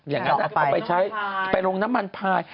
อย่างนั้นเอาไปใช้ไปลงน้ำมันพาย